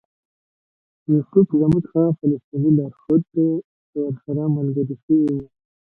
یوسف زموږ هغه فلسطینی لارښود دی چې ورسره ملګري شوي یو.